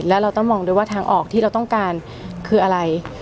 แล้วเราต้องมองด้วยว่าทางออกที่เราต้องการคืออะไร